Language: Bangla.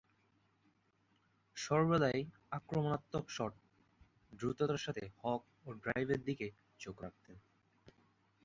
সর্বদাই আক্রমণাত্মক শট, দ্রুততার সাথে হুক ও ড্রাইভের দিকে চোখ রাখতেন।